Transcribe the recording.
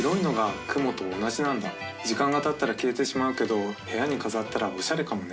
時間が経ったら消えてしまうけど部屋に飾ったらおしゃれかもね。